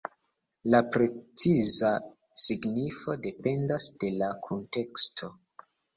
La preciza signifo dependas de la kunteksto.